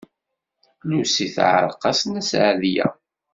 Lucy teɛreq-as Nna Seɛdiya.